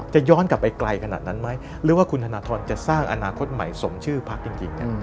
ย้อนกลับไปไกลขนาดนั้นไหมหรือว่าคุณธนทรจะสร้างอนาคตใหม่สมชื่อพักจริง